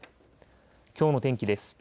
きょうの天気です。